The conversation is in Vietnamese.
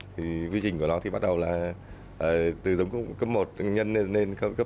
thì quy trình của nó thì bắt đầu là từ giống cấp một nhân lên cấp hai